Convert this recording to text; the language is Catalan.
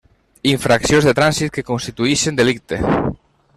Infraccions de trànsit que constituïxen delicte.